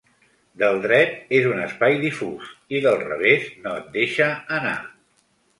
Del dret és un espai difús i del revés no et deixa anar.